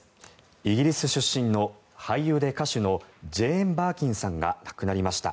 イギリス出身の俳優で歌手のジェーン・バーキンさんが亡くなりました。